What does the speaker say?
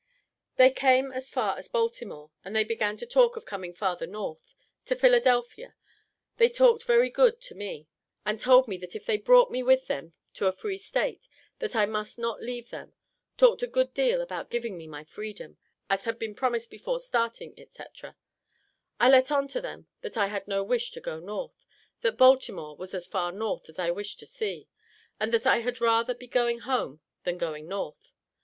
"They came as far as Baltimore, and they began to talk of coming farther North, to Philadelphia. They talked very good to me, and told me that if they brought me with them to a free State that I must not leave them; talked a good deal about giving me my freedom, as had been promised before starting, etc. I let on to them that I had no wish to go North; that Baltimore was as far North as I wished to see, and that I had rather be going home than going North.